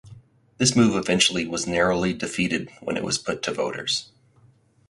This move eventually was narrowly defeated when it was put to voters.